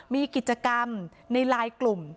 มีกิจกรรมในไลน์กลุ่ม